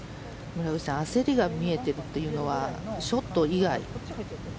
村口さん焦りが見えているというのはショット以外？